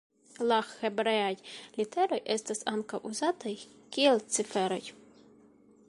La hebreaj literoj estas ankaŭ uzataj kiel ciferoj.